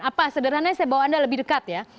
apa sederhananya saya bawa anda lebih dekat ya